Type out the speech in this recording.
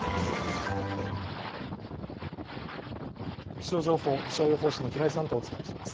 気象情報、気象予報士の平井さんとお伝えします。